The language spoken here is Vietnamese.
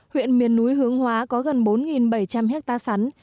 huyện miền núi hướng hóa có gần bốn bảy trăm linh hectare sắn